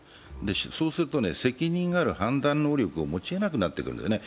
そうすると責任ある判断能力を持ちえなくなってくるんだよね。